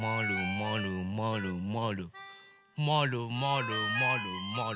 まるまるまるまるまるまるまる。